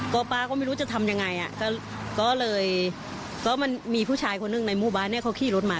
ก็ป้าก็ไม่รู้จะทำยังไงอ่ะก็เลยก็มันมีผู้ชายคนหนึ่งในหมู่บ้านเนี่ยเขาขี่รถมา